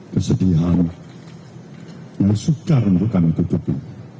kesedihan yang sukar untuk kami tutupi